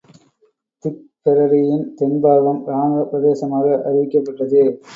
திப்பெரரியின் தென்பாகம் ராணுவப் பிரதேசமாக அறிவிக்கப்பட்டது.